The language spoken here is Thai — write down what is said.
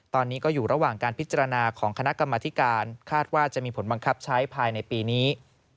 ตอนนี้ก็อยู่ระหว่างการพิจารณาของคณะกรรมธิการคาดว่าจะมีผลบังคับใช้ภายในปีนี้